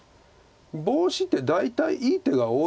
ボウシって大体いい手が多いんですよね。